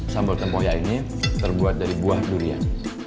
sambal tempoya ini terbuat dari buah durian